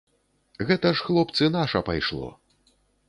Гэта ж, хлопцы, наша пайшло.